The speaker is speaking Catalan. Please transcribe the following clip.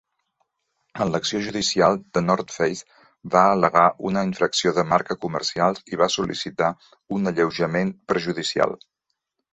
En l'acció judicial, The North Face va al·legar una infracció de marca comercials i va sol·licitar un alleujament perjudicial.